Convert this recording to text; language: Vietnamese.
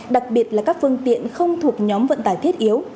đặc biệt là các phương tiện không thuộc nhóm vận tải thiết yếu